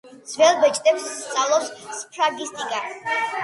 ძველ ბეჭდებს სწავლობს სფრაგისტიკა.